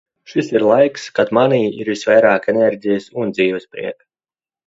Šis ir laiks. Kad manī ir visvairāk enerģijas un dzīvesprieka.